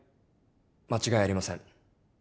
間違いありません。